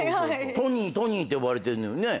トニートニーって呼ばれてんのよね。